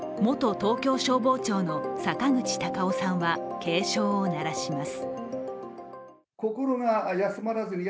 東京消防庁の坂口隆夫さんは警鐘を鳴らします。